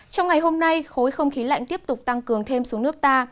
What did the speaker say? trong ngày hôm nay khối không khí lạnh tiếp tục tăng cường thêm xuống nước ta